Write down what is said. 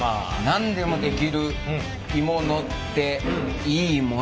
「なんでもできる鋳物っていいものだ」。